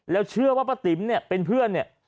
แล้วเชื่อว่าป้าติ๋มเนี่ยเป็นเพื่อนเนี่ย